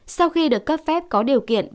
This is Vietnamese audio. sau khi được cấp phép có điều kiện